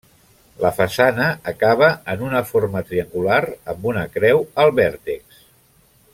La façana acaba en una forma triangular amb una creu al vèrtex.